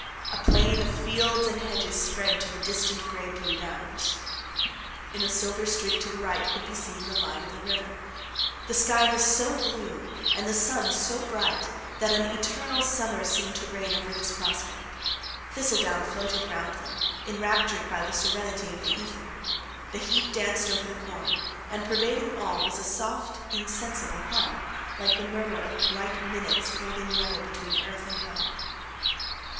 A plain of fields and hedges spread to the distant grey bluedowns. In a silver streak to the right could be seen the line of the river. The sky was so blue, and the sun so bright, that an eternal summer seemed to reign over this prospect. Thistledown floated round them, enraptured by the serenity, of the ether. The heat danced over the corn, and, pervading all, was a soft, insensible hum, like the murmur of bright minutes holding revel between earth and heaven.